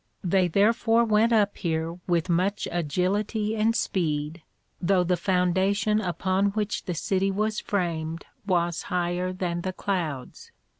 They therefore went up here with much agility and speed, though the foundation upon which the City was framed was higher than the Clouds.